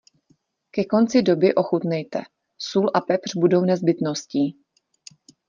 Ke konci doby ochutnejte, sůl a pepř budou nezbytností.